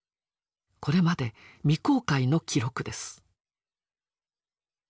これまで未公開の記録です。